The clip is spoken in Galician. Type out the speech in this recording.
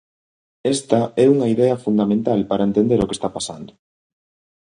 Esta é unha idea fundamental para entender o que está pasando.